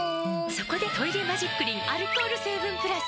そこで「トイレマジックリン」アルコール成分プラス！